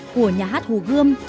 của nhà hát hồ gươm